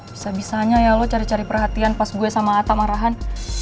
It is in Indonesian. bisa bisanya ya lo cari cari perhatian pas gue sama atama rahan